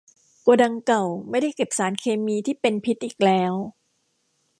โกดังเก่าไม่ได้เก็บสารเคมีที่เป็นพิษอีกแล้ว